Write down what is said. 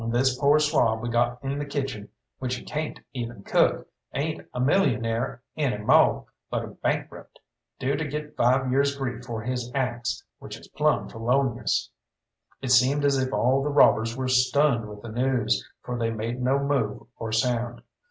This pore swab we got in the kitchen, which he cayn't even cook, ain't a millionaire any mo', but a bankrupt, due to get five years' grief for his acts, which is plumb felonious." It seemed as if all the robbers were stunned with the news, for they made no move or sound.